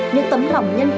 như tấm lòng nhân